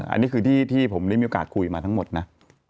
อันนี้คือที่ผมได้มีโอกาสคุยมาทั้งหมดนะ